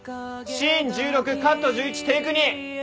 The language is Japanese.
シーン１６カット１１テイク２。